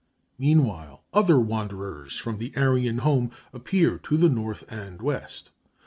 ] Meanwhile other wanderers from the Aryan home appear to the north and west.